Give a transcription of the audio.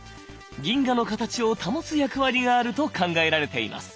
銀河の形を保つ役割があると考えられています。